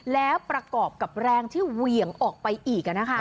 แล้วประกอบกับแรงที่เหวี่ยงออกไปอีก